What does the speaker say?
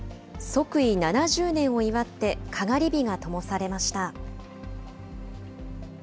即位７０年を祝って、かがり火がともされました。